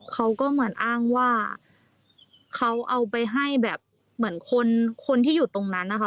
เขาก็เหมือนอ้างว่าเขาเอาไปให้แบบเหมือนคนคนที่อยู่ตรงนั้นนะคะ